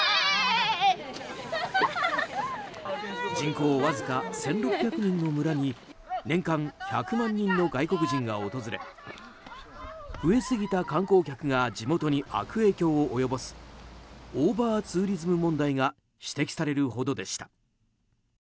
人口わずか１６００人の村に年間１００万人の外国人が訪れ増えすぎた観光客が地元に悪影響を及ぼすオーバーツーリズム問題が指摘されるほどでした。